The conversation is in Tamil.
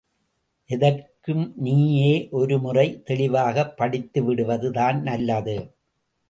எதற்கும் நீயே ஒருமுறை தெளிவாகப் படித்துவிடுவது தான் நல்லது!